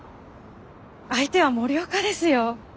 相手は森岡ですよ。